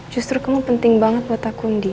justru kamu penting banget buat aku andi